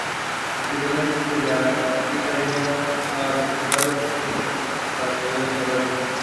The chapel continues to serve Weymouth.